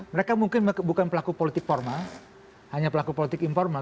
mereka mungkin bukan pelaku politik formal hanya pelaku politik informal